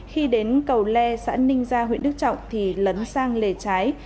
khi đến cầu lê xã ninh gia huyện đức trọng thì lấn sang lề trái